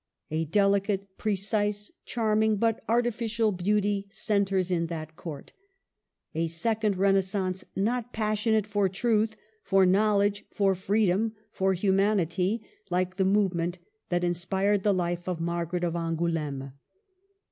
A delicate, precise, charming, but artificial beauty centres in that Court, — a second renaissance, not pas sionate for truth, for knowledge, for freedom, for humanity, like the movement that inspired the life of Margaret of Angouleme.